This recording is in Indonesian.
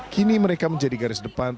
kini mereka menjadi garis depan